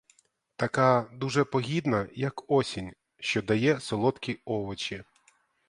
Така дуже погідна, як осінь, що дає солодкі овочі.